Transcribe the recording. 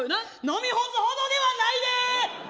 飲み干すほどではないで！